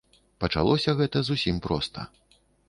Пачалося гэта зусім проста.